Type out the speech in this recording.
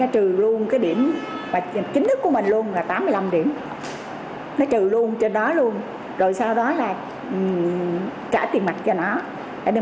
thì mình sẽ được một triệu